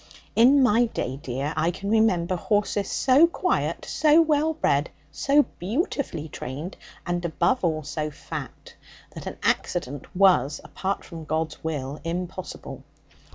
'In my day, dear, I can remember horses so quiet, so well bred, so beautifully trained, and, above all, so fat, that an accident was, apart from God's will, impossible.